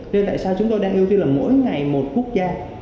nên tại sao chúng tôi đang ưu tiên là mỗi ngày một quốc gia